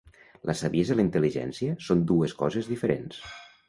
La saviesa i la intel·ligència són dues coses diferents.